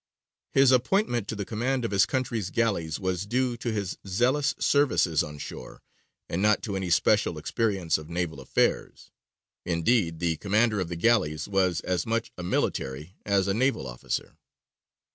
His appointment to the command of his country's galleys was due to his zealous services on shore, and not to any special experience of naval affairs; indeed the commander of the galleys was as much a military as a naval officer.